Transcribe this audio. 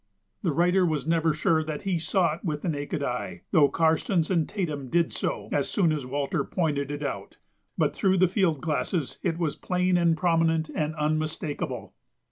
The writer was never sure that he saw it with the naked eye, though Karstens and Tatum did so as soon as Walter pointed it out, but through the field glasses it was plain and prominent and unmistakable.